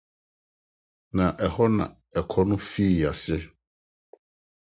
Na ɛhɔ na ɔko no fii ase.